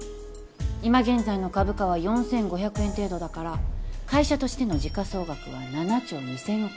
今現在の株価は４，５００円程度だから会社としての時価総額は７兆２，０００億円。